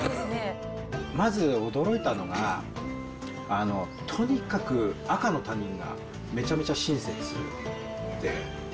まず驚いたのが、とにかく赤の他人がめちゃめちゃ親切で。